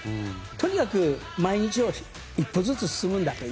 とにかく毎日を一歩ずつ進むんだと。